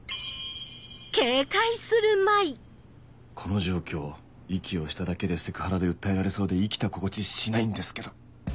この状況息をしただけでセクハラで訴えられそうで生きた心地しないんですけど